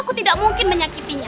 aku tidak mungkin menyakitinya